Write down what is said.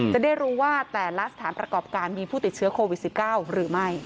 จะได้รู้ว่าแต่ละสถานประกอบการมีผู้ติดเชื้อโควิด๑๙หรือไม่